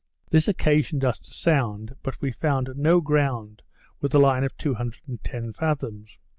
This occasioned us to sound, but we found no ground with a line of 210 fathoms.